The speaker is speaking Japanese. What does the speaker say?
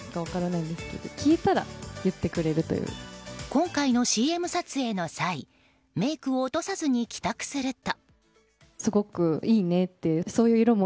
今回のＣＭ撮影の際メイクを落とさずに帰宅すると。